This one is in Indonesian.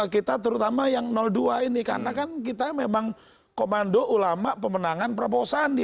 kita terutama yang dua ini karena kan kita memang komando ulama pemenangan prabowo sandi